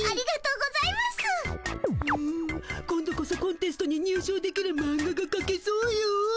うん今度こそコンテストに入しょうできるマンガがかけそうよ。